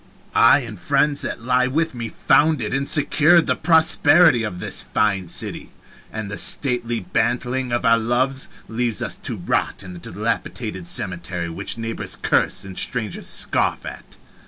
I and friends that lie with me founded and secured the prosperity of this fine city, and the stately bantling of our loves leaves us to rot in a dilapidated cemetery which neighbors curse and strangers scoff at.